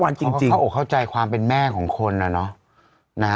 ๑๕วันจริงเขาเข้าใจความเป็นแม่ของคนน่ะ